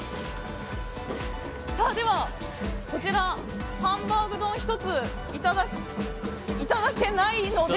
では、こちらハンバーグ丼を１ついただけないので。